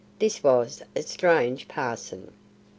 This was a strange parson.